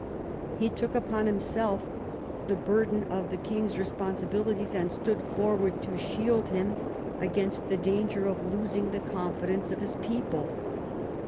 He took upon himself the burden of the king's responsibilities, and stood forward to shield hin^i against the danger of losing the confidence »of his people.